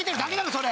それ。